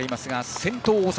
先頭、大阪。